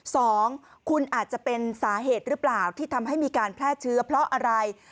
สองคุณอาจจะเป็นสาเหตุหรือเปล่าที่ทำให้มีการแพร่เชื้อเพราะอะไร